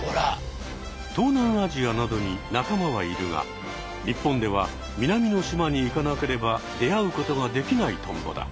東南アジアなどになかまはいるが日本では南の島に行かなければ出会うことができないトンボだ。